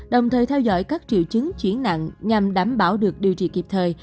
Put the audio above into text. đồng thời theo dõi các triệu chứng chuyển nặng nhằm đảm bảo được điều trị kịp thời